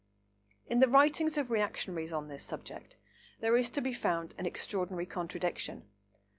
In the writings of reactionaries on this subject there is to be found an extraordinary contradiction.